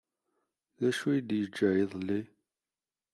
D acu i yi-d-yeǧǧa iḍelli.